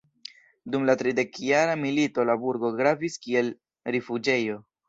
Dum la Tridekjara milito la burgo gravis kiel rifuĝejo.